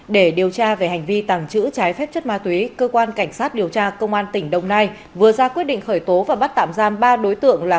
để điều tra về hành vi tàng trữ trái phép chất ma túy cơ quan cảnh sát điều tra công an tỉnh đồng nai vừa ra quyết định khởi tố và bắt tạm giam ba đối tượng là